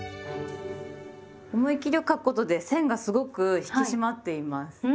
思い切り書くことで線がすごく引き締まっています。